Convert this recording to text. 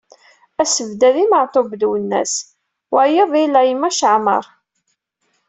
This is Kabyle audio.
Asebddad i Matub Lwennas wayeḍ i Laymac Aɛmaṛ.